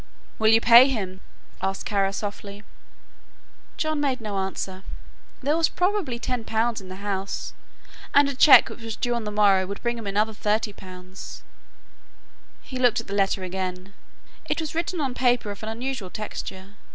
"Will you pay him?" asked Kara softly. John made no answer. There was probably 10 pounds in the house and a cheque which was due on the morrow would bring him another 30 pounds. He looked at the letter again. It was written on paper of an unusual texture.